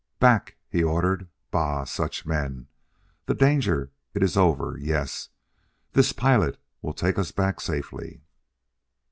"Back!" he ordered. "Bah! such men! The danger it iss over yess! This pilot, he will take us back safely."